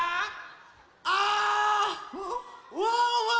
あワンワン！